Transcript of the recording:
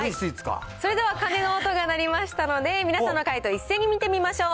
それでは鐘の音が鳴りましたので、皆さんの解答一斉に見てみましょう。